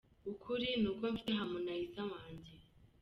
Ukuri ni uko mfite Harmonize wanjye.